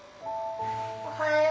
おはよう。